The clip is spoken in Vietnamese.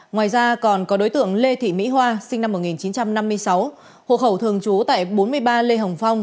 ngoài ra còn có đối tượng lê thị mỹ hoa sinh năm một nghìn chín trăm năm mươi sáu hộ khẩu thường trú tại bốn mươi ba lê hồng phong